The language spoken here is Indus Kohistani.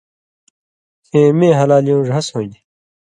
کِھیں مِیں ہلالیُوں ڙھس ہُون٘دیۡ۔